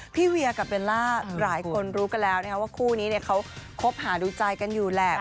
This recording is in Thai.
เวียกับเบลล่าหลายคนรู้กันแล้วว่าคู่นี้เขาคบหาดูใจกันอยู่แหละ